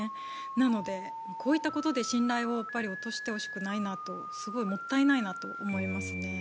なので、こういったことで信頼を落としてほしくないなとすごいもったいないなと思いますね。